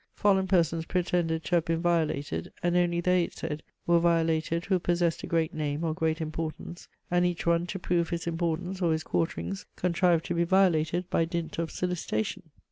Fallen persons pretended to have been violated, and only they, it was said, were violated who possessed a great name or great importance, and each one, to prove his importance or his quarterings, contrived to be violated by dint of solicitation.